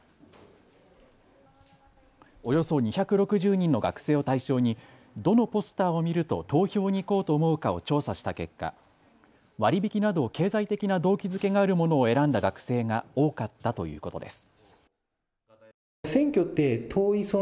およそ２６０人の学生を対象にどのポスターを見ると投票に行こうと思うかを調査した結果、割り引きなど経済的な動機づけがあるものを選んだ学生が多かったということです。